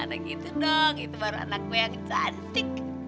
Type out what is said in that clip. bagaimana acara nanti jadi